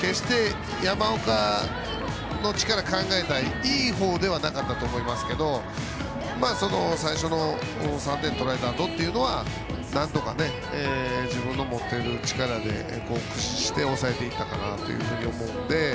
決して、山岡の力を考えたらいい方ではなかったと思いますが最初の３点取られたあとはなんとか、自分の持っている力を駆使して抑えていったかなと思うので。